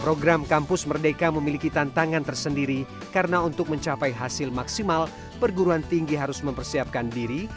program kampus merdeka memiliki tantangan tersendiri karena untuk mencapai hasil maksimal perguruan tinggi harus mempersiapkan diri